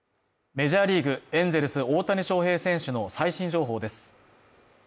メジャーリーグエンゼルス大谷翔平選手の最新情報です